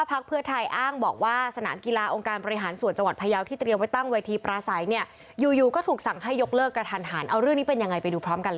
เพื่อประเทศไทยต้องทำอย่างไรไม่ตามเดิมคำตอบอยู่ในใจคิดให้ดี